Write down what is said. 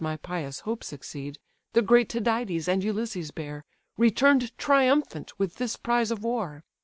my pious hopes succeed) The great Tydides and Ulysses bear, Return'd triumphant with this prize of war.